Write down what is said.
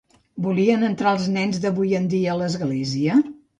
Volien entrar els nens d'avui en dia a l'església?